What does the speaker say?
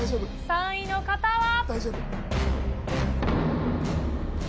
３位の方は。